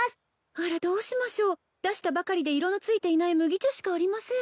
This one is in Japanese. あらどうしましょう出したばかりで色のついていない麦茶しかありません